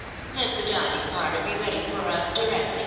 " Let the dining parlour be ready for us directly.